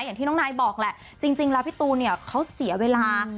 อย่างที่น้องนายบอกแหละจริงแล้วพี่ตูนเนี่ยเขาเสียเวลา